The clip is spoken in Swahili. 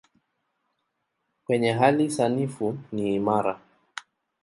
Kwenye hali sanifu ni imara.